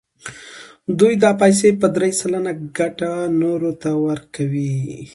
دوی دا پیسې په درې سلنه ګټه نورو ته ورکوي